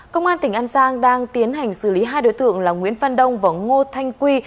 công an tỉnh an giang đang tiến hành xử lý hai đối tượng là nguyễn phan đông và ngô thanh quy